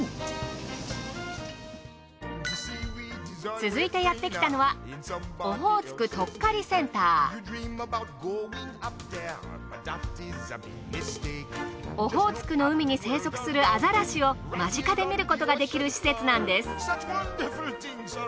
続いてやってきたのはオホーツクの海に生息するアザラシを間近で見ることができる施設なんです。